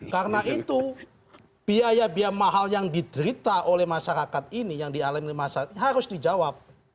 karena itu biaya biaya mahal yang diderita oleh masyarakat ini yang dialami masyarakat ini harus dijawab